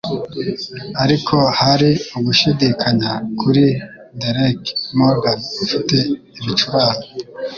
ariko hari ugushidikanya kuri Derek Morgan ufite ibicurane